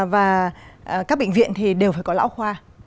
và các bệnh viện đều phải có lão khoa